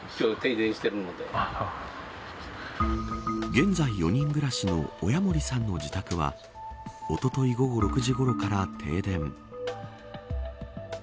現在４人暮らしの親盛さんの自宅はおととい午後６時ごろから停電。